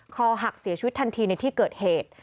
คอหักเสียชีวิตทันทีในที่เกิดเหตุ